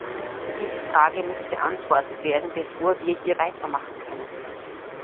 Diese Frage muss beantwortet werden, bevor wir hier weitermachen können.